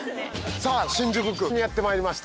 さあ新宿区にやってまいりました。